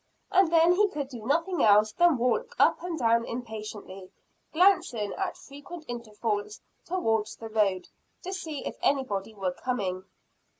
And then he could do nothing else than walk up and down impatiently, glancing at frequent intervals towards the road, to see if anybody were coming.